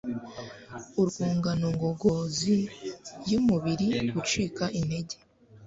urwungano ngogozi yumubiri gucika intege